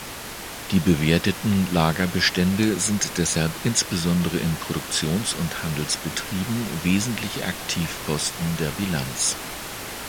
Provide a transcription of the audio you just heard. Die bewerteten Lagerbestände sind deshalb insbesondere in Produktions- und Handelsbetrieben wesentliche Aktivposten der Bilanz.